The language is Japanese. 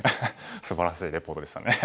すばらしいリポートでしたね。